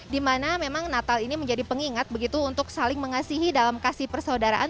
di mana memang natal ini menjadi pengingat untuk saling mengasihi dalam kasih persaudaraan